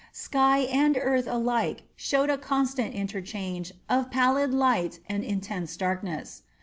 Sky and earth alike showed a constant interchange of pallid light and intense darkness.